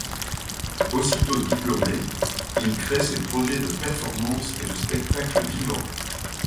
Aussitôt diplômé, il crée ses projets de performance et de spectacle vivant.